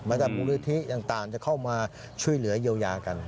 ไม่ว่าบุรุธิต่างจะเข้ามาช่วยเหลือเยียวยากัน